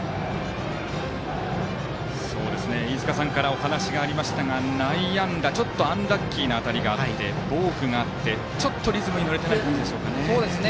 飯塚さんからお話がありましたが内野安打、ちょっとアンラッキーな当たりがあってボークがあって、ちょっとリズムに乗れていない感じか。